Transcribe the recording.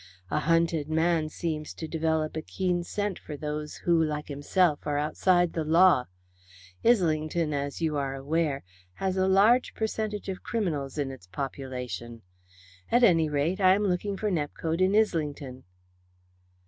A hunted man seems to develop a keen scent for those who, like himself, are outside the law. Islington, as you are aware, has a large percentage of criminals in its population. At any rate, I am looking for Nepcote in Islington."